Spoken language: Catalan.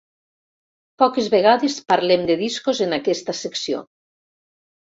Poques vegades parlem de discos en aquesta secció.